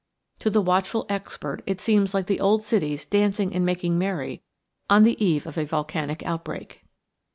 To the watchful expert it seems like the old cities dancing and making merry on the eve of a volcanic outbreak."